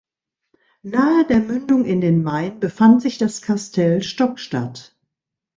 Nahe der Mündung in den Main befand sich das Kastell Stockstadt.